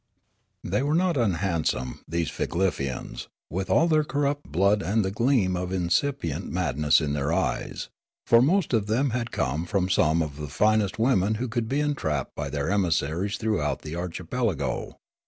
The}' were not unhandsome, these Figlefians, with all their corrupt blood and the gleam of incipient mad ness in their eyes, for most of them had come from some of the finest women who could be entrapped by their emissaries throughout the archipelago.